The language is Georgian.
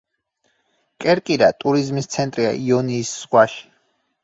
კერკირა ტურიზმის ცენტრია იონიის ზღვაში.